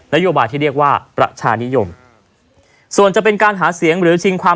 โยบายที่เรียกว่าประชานิยมส่วนจะเป็นการหาเสียงหรือชิงความ